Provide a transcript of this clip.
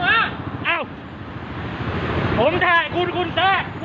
ขับข้าวผมไปให้ดูหน้าค่ะ